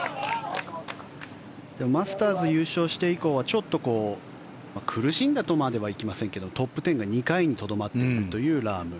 マスターズ優勝して以降はちょっと苦しんだとまでは言いませんがトップ１０が２回にとどまっているというラーム。